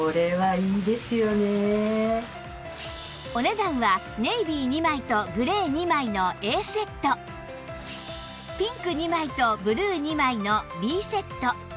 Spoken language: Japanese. お値段はネイビー２枚とグレー２枚の Ａ セットピンク２枚とブルー２枚の Ｂ セット